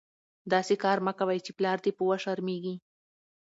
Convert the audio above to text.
داسي کار مه کوئ، چي پلار دي په وشرمېږي.